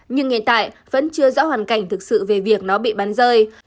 nhưng hiện tại vẫn chưa rõ hoàn cảnh thực sự về việc nó bị bắn rơi